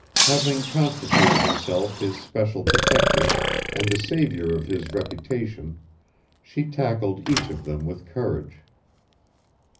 Having constituted herself his special protectress and the saviour of his reputation she tackled each of them with courage.